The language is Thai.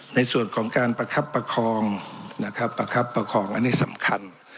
ในส่วนของการประคับประคองนะครับประคับประคองอันนี้สำคัญ